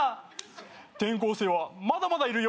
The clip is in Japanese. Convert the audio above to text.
「転校生はまだまだいるよ」